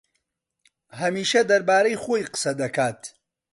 ھەمیشە دەربارەی خۆی قسە دەکات.